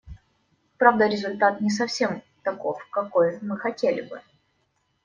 Правда, результат не совсем таков, какой мы хотели бы.